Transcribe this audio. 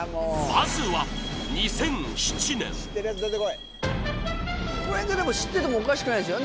まずは２００７年この辺って知っててもおかしくないですよ